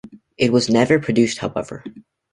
It was never produced however.